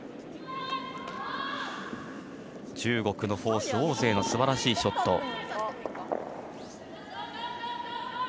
中国のフォース、王ぜいのすばらしいショット。